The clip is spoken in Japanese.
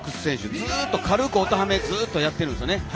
ずっと軽く音ハメをやっているんですよね。